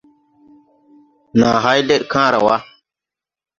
Nàa hay leɗ kããra wà.